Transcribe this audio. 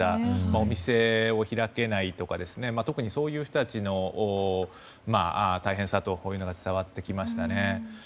お店を開けないとか特にそういう人たちの大変さと思いが伝わってきましたね。